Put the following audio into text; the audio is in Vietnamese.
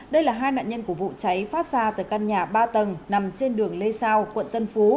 đây là hai nạn nhân của vụ cháy phát ra từ căn nhà ba tầng nằm trên đường lê sao quận tân phú